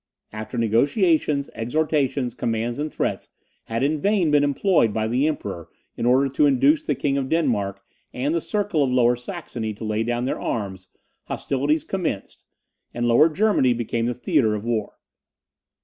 After negociations, exhortations, commands, and threats had in vain been employed by the Emperor in order to induce the King of Denmark and the circle of Lower Saxony to lay down their arms, hostilities commenced, and Lower Germany became the theatre of war.